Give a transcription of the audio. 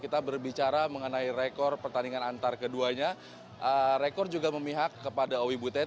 kita berbicara mengenai rekor pertandingan antar keduanya rekor juga memihak kepada owi butet